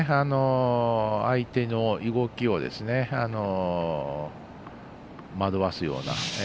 相手の動きを惑わすような。